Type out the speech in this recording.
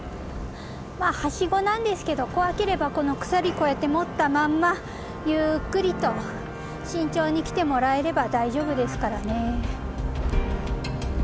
はしごなんですけど怖ければこの鎖こうやって持ったまんまゆっくりと慎重に来てもらえれば大丈夫ですからね。